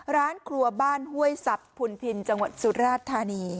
ร้านครัวบ้านห้วยสับพุนพินจังหวัดสุราชธานี